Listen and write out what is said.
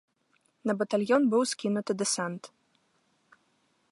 На батальён быў скінуты дэсант.